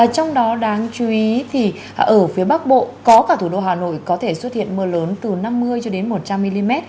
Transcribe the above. trong đó đáng chú ý thì ở phía bắc bộ có cả thủ đô hà nội có thể xuất hiện mưa lớn từ năm mươi một trăm linh mm